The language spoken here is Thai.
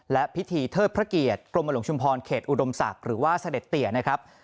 และพิธีเทิดพระเกียรติกรมหลวงชุมพรเขตอุดมศักดิ์หรือว่าเสด็จเตียนะครับ